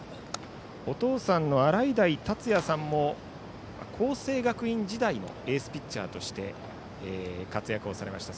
お父さんの洗平竜也さんも光星学院時代のエースピッチャーとして活躍をされました。